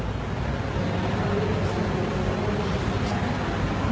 ขาหลุด